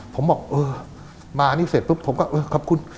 ผมบอกเออมาอันนี้เสร็จปุ๊บผมก็เออขอบคุณ